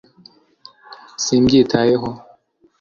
simbyitayeho